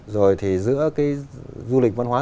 rồi thì giữa du lịch văn hóa